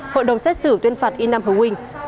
hội đồng xét xử tuyên phạt y nam hữu quỳnh